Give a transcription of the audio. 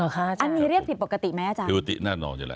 อ๋อค่ะอันนี้เรียกผิดปกติไหมอาจารย์ผิดอุติน่านอนจริงแหละ